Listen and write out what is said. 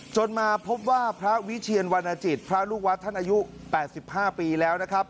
จนมาพบว่าพระวิเชียนวรรณจิตพระลูกวัดท่านอายุ๘๕ปีแล้วนะครับ